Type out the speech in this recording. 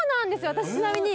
私ちなみに。